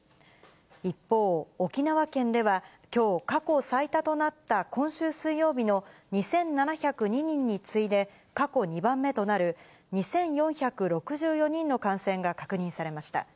一方、沖縄県では、きょう過去最多となった今週水曜日の２７０２人に次いで、過去２番目となる２４６４人の感染が確認されました。